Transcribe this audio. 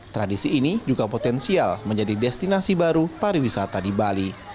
tradisi ini juga potensial menjadi destinasi baru pariwisata di bali